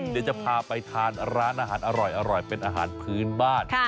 เดี๋ยวจะพาไปทานร้านอาหารอร่อยเป็นอาหารพื้นบ้าน